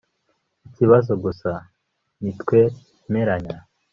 Ikibazo gusa ntitwemeranya